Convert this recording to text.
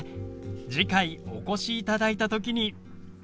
次回お越しいただいた時に。